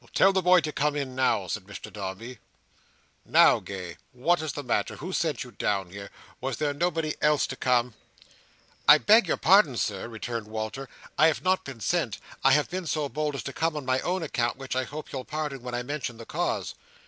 "Tell the boy to come in now," said Mr Dombey. "Now, Gay, what is the matter? Who sent you down here? Was there nobody else to come?" "I beg your pardon, Sir," returned Walter. "I have not been sent. I have been so bold as to come on my own account, which I hope you'll pardon when I mention the cause.